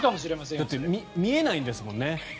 だって見えないんですもんね。